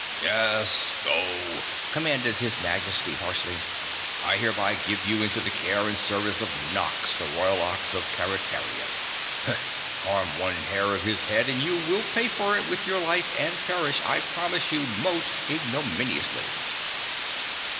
"Yes, GO!" commanded His Majesty harshly, "I hereby give you into the care and service of Nox, the Royal Ox of Keretaria. Harm one hair of his head, and you will pay for it with your life and perish, I promise you, most ignominiously."